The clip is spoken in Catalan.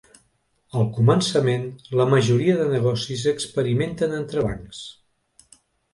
Al començament, la majoria de negocis experimenten entrebancs.